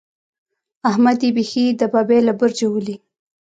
احمد يې بېخي د ببۍ له برجه ولي.